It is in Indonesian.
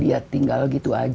dia tinggal gitu aja